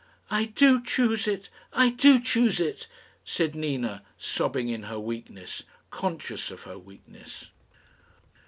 "I do choose it I do choose it," said Nina, sobbing in her weakness conscious of her weakness.